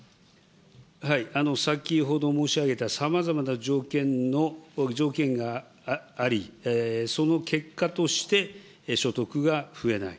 先ほど申し上げた、さまざまな条件があり、その結果として所得が増えない。